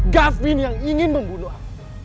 gavin yang ingin membunuh